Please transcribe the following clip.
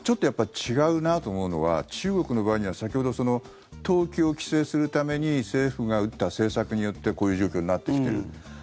違うなと思うのは中国の場合、先ほど投機を規制するために政府が打った政策によってこういう状況になってきている。